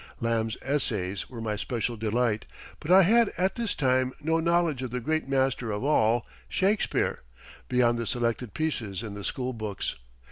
Lamb's essays were my special delight, but I had at this time no knowledge of the great master of all, Shakespeare, beyond the selected pieces in the school books.